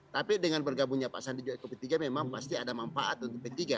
tapi dengan bergabungnya pak sandi juga ke p tiga memang pasti ada manfaat untuk p tiga